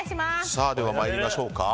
まいりましょうか。